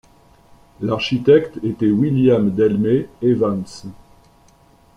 L'architecte était William Delmé Evans.